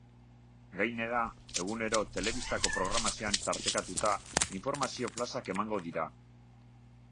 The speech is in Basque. Gainera, egunero telebistako programazioan tartekatutainformazio flash-ak emango dira.